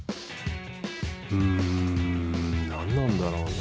うーん、何なんだろうな。